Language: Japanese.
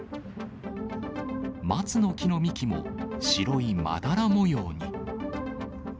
松の木の幹も白いまだら模様に。